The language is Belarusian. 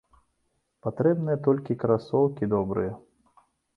Патрэбныя толькі красоўкі добрыя.